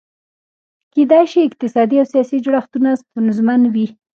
کېدای شي اقتصادي او سیاسي جوړښتونه ستونزمن وي.